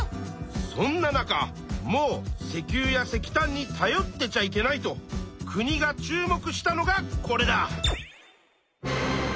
そんな中もう石油や石炭にたよってちゃいけないと国が注目したのがこれだ！